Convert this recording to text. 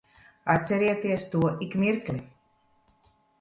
Atcerieties to ik mirkli.